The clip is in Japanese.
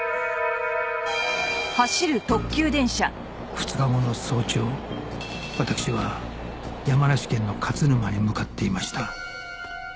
２日後の早朝私は山梨県の勝沼に向かっていました